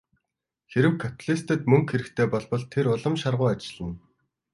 Хэрэв капиталистад мөнгө хэрэгтэй болбол тэр улам шаргуу ажиллана.